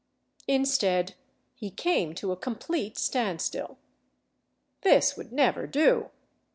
Instead, he came to a complete standstill. This would never do.